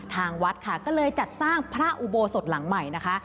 ทางวัดค่ะก็เลยจัดสร้างพระอุโบสถหลังใหม่นะคะ